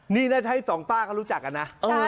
นี่น่าจะให้สองป้าเขารู้จักกันนะ